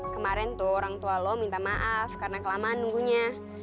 kemarin tuh orang tua lo minta maaf karena kelamaan nunggunya